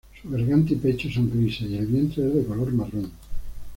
Su garganta y pecho son grises y el vientre es de color marrón.